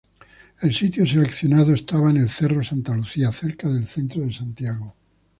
El sitio seleccionado estaba en el cerro Santa Lucía, cerca del centro de Santiago.